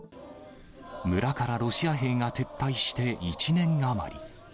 村からロシア兵が撤退して１年余り。